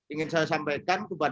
ingin saya sampaikan kepada